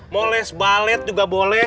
mau les ballet juga boleh